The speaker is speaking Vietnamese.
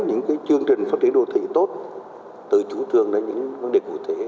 những chương trình phát triển đô thị tốt từ chủ trường đến những vấn đề cụ thể rất quan trọng